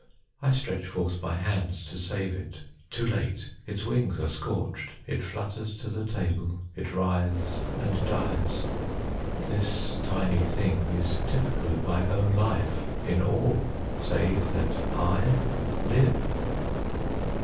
I stretch forth my hands to save it. Too late ! Its wings are scorched ; it flutters to the table ; it writhes, and dies. This tiny thing is typical of my own life in all save that I live.